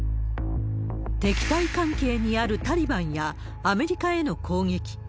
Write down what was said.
敵対関係にあるタリバンやアメリカへの攻撃。